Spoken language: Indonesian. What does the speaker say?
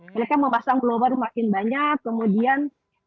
mereka memasang blower makin banyak kemudian